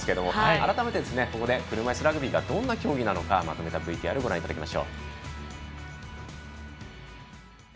改めて、車いすラグビーがどんな競技なのかまとめたＶＴＲご覧いただきます。